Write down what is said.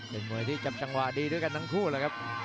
เป็นมวยที่จับจังหวะดีด้วยกันทั้งคู่เลยครับ